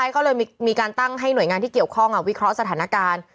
ก็เลยมีการตั้งให้หน่วยงานที่เกี่ยวข้องวิเคราะห์สถานการณ์